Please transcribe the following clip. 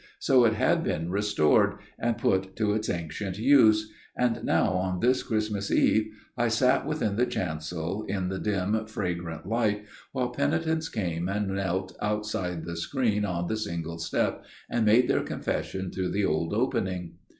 So it had been restored, and put to its ancient use; and now on this Christmas Eve I sat within the chancel in the dim fragrant light, while penitents came and knelt outside the screen on the single step, and made their confessions through the old opening.